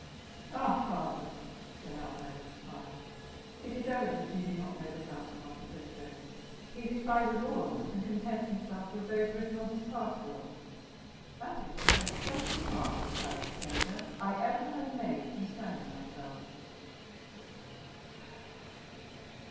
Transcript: "Ah, father," said Albert with a smile, "it is evident you do not know the Count of Monte Cristo; he despises all honors, and contents himself with those written on his passport." "That is the most just remark," replied the stranger, "I ever heard made concerning myself."